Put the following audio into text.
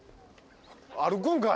歩くんかい！